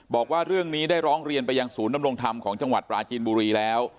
บอกว่าเรื่องนี้ได้ร้องเรียนไปยังศูนย์ดำรงธรรมของจังหวัดปราจีนบุรีแล้ว